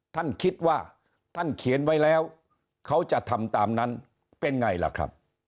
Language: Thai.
ท่านคิดว่าท่านเขียนไว้แล้วเขาจะทำตามนั้นเป็นไงล่ะครับ